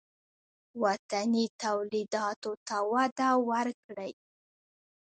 وطني تولیداتو ته وده ورکړئ